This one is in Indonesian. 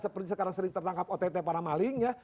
seperti sekarang sering tertangkap ott para maling ya